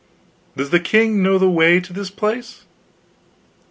"Does the king know the way to this place?"